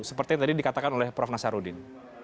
seperti yang tadi dikatakan oleh prof nasarudin